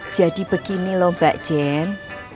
jadi begini lho mbak jen